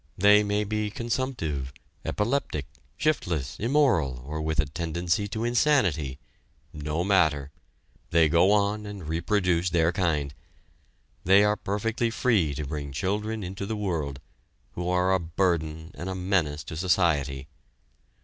They may be consumptive, epileptic, shiftless, immoral, or with a tendency to insanity. No matter. They may go on and reproduce their kind. They are perfectly free to bring children into the world, who are a burden and a menace to society.